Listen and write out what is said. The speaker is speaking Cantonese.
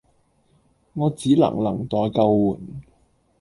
我只能能待救援